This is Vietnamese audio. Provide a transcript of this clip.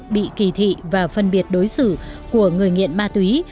bị kỳ thị và phân biệt đối xử của người nghiện ma túy